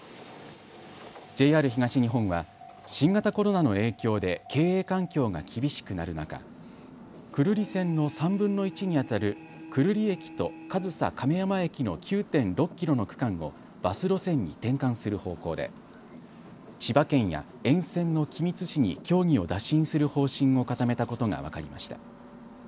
ＪＲ東日本は新型コロナの影響で経営環境が厳しくなる中、久留里線の３分の１にあたる久留里駅と上総亀山駅の９．６キロの区間をバス路線に転換する方向で千葉県や沿線の君津市に協議を打診する方針を固めたことが分かりました。